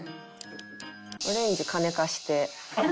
オレンジ「金貸して」。